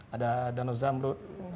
ada danau zamlut